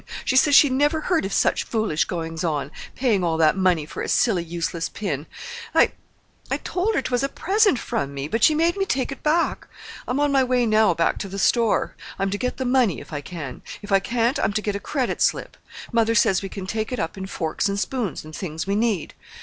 She says she never heard of such foolish goings on—paying all that money for a silly, useless pin. I—I told her 'twas a present from me, but she made me take it back. I'm on my way now back to the store. I'm to get the money, if I can. If I can't, I'm to get a credit slip. Mother says we can take it up in forks and spoons and things we need.